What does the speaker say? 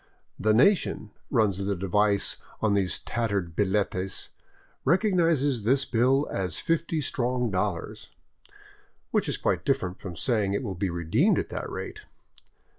" The nation," runs the device on these tattered billetes " recognizes this bill as fifty strong dollars," which is quite different from saying it will be redeemed at that rate.